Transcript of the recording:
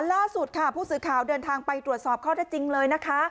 ล่าสุดค่ะผู้สื่อข่าวเดินทางไปตรวจสอบข้อได้จริงเลยนะคะ